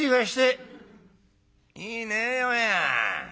「いいねえお前は。